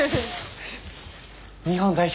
日本代表